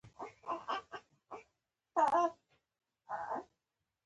سهار وختي مرغيو په خپل شور ونازولم.